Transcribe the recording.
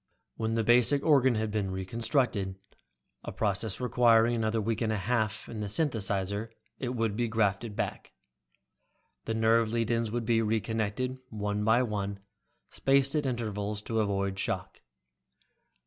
When the basic organ had been reconstructed, a process requiring another week and a half in the synthesizer, it would be grafted back. The nerve lead ins would then be reconnected, one by one, spaced at intervals to avoid shock.